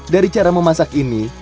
dari cara memasak ini